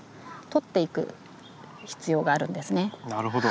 なるほど。